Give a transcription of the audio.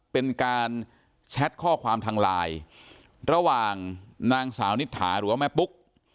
เป็นการแชทข้อความทางไลน์ระหว่างนางสาวนิษฐาหรือว่าแม่ปุ๊ก